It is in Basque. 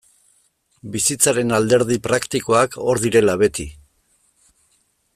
Bizitzaren alderdi praktikoak hor direla beti.